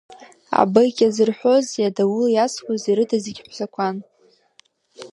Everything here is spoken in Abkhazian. Абыкь азырҳәози адаул иасуази рыда зегьы ҳәсақәан.